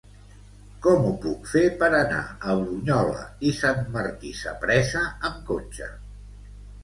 Com ho puc fer per anar a Brunyola i Sant Martí Sapresa amb cotxe?